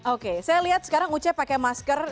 oke saya lihat sekarang uce pakai masker